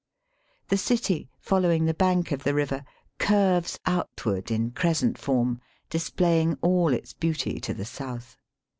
The city, following the bank of the river, curves outward in crescent form, displaying all its beauty to the south.